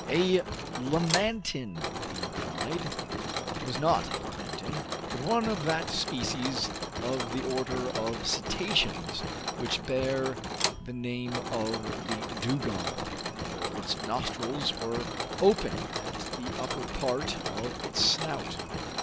"A lamantin!" he cried. It was not a lamantin, but one of that species of the order of cetaceans, which bear the name of the "dugong," for its nostrils were open at the upper part of its snout.